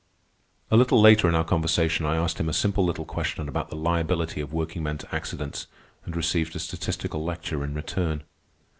A little later in our conversation I asked him a simple little question about the liability of workingmen to accidents, and received a statistical lecture in return.